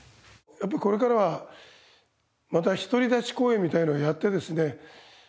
やっぱこれからはまた独り立ち公演みたいなのをやってですね